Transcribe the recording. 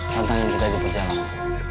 tantangan kita di perjalanan